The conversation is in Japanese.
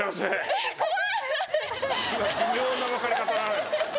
今微妙な分かれ方なのよふふ